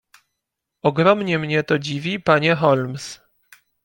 "Ogromnie mnie to dziwi, panie Holmes."